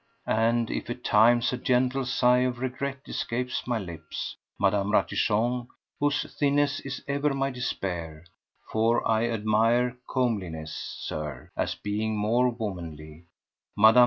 And if at times a gentle sigh of regret escapes my lips, Mme. Ratichon—whose thinness is ever my despair, for I admire comeliness, Sir, as being more womanly—Mme.